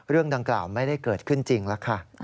เรื่องดังกล่าวไม่ได้เกิดขึ้นจริงแล้วค่ะ